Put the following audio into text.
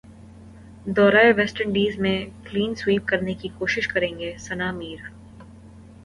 دورہ West Indies میں clean sweep کی کوشش کرینگے ثناء میر